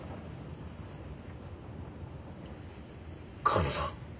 川野さん？